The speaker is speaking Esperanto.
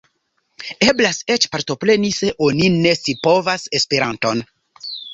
Eblas eĉ partopreni se oni ne scipovas Esperanton.